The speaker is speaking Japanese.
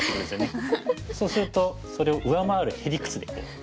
そうするとそれを上回るへ理屈で返して。